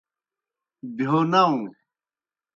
بہیو ناؤں۔